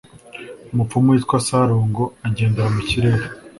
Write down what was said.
Umupfumu witwa Sarongo agendera mu kirere